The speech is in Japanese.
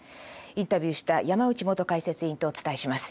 インタビューした山内元解説員とお伝えします。